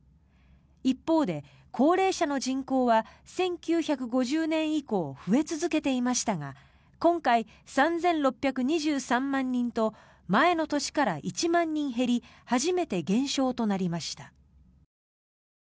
一方で高齢者の人口は１９５０年以降増え続けていましたが今回、３６２３万人と前の年から１万人減り初めて減少となりました。